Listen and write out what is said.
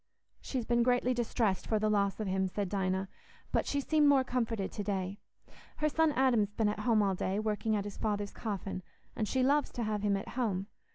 "She's been greatly distressed for the loss of him," said Dinah, "but she's seemed more comforted to day. Her son Adam's been at home all day, working at his father's coffin, and she loves to have him at home.